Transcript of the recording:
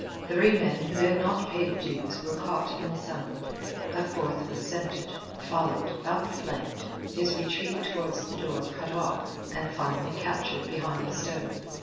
Three men who had not paid dues were caught and summoned. A fourth was scented, followed, outflanked, his retreat towards the door cut off, and finally captured behind the stove.